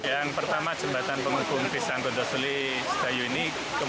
yang pertama jembatan penghubung desa godo suli sedayu ini